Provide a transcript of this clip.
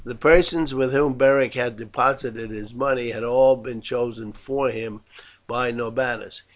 The persons with whom Beric had deposited his money had all been chosen for him by Norbanus.